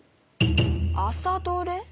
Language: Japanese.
「朝どれ」？